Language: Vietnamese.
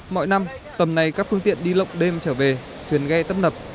mọi năm tầm này các phương tiện đi lộng đêm trở về thuyền ghe tấp nập